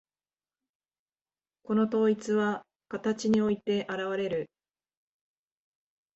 この統一は形において現われる。